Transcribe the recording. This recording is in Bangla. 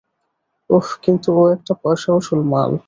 ওহ, কিন্তু ও একটা পয়সা উসুল মাল।